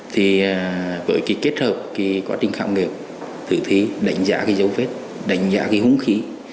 thì với cái kết hợp cái quá trình khạm nghiệp thử thí đánh giá cái dấu vết đánh giá cái húng khí